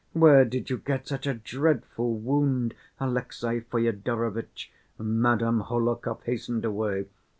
Where did you get such a dreadful wound, Alexey Fyodorovitch?" Madame Hohlakov hastened away.